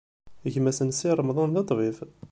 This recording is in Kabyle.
Gma-s n Si Remḍan, d ṭṭbib.